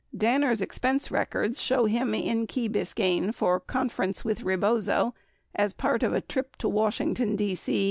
41 Danner's expense records show him in Key Biscayne for "conference with Rebozo" 42 as part of a trip to Washington, D.C.